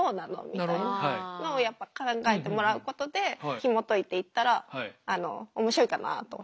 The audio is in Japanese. みたいなのをやっぱ考えてもらうことでひもといていったらあの面白いかなと。